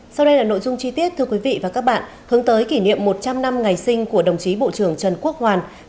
sau đây là nội dung chi tiết thưa quý vị và các bạn hướng tới kỷ niệm một trăm linh năm ngày sinh của đồng chí bộ trưởng trần quốc hoàn